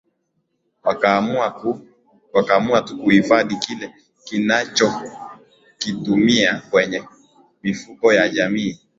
wakaamua tu kuhifadhi kile wanachokitumia kwenye kwenye mifuko ya jamii